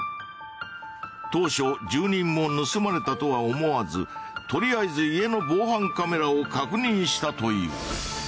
当初住人も盗まれたとは思わずとりあえず家の防犯カメラを確認したという。